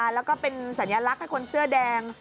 แล้วก็เป็นสัญลักษณ์ให้คนเสื้อแดง